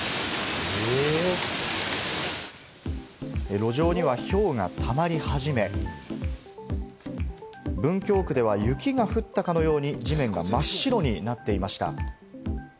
路上にはひょうがたまり始め、文京区では雪が降ったかのように地面が真っ白になっていました。